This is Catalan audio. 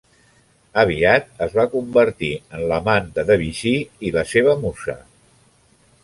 Aviat es va convertir en l'amant de Debussy i la seva musa.